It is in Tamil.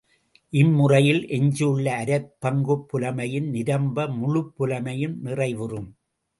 இம் முறையில் எஞ்சியுள்ள அரைப் பங்குப் புலமையும் நிரம்ப, முழுப் புலமையும் நிறைவுறும்.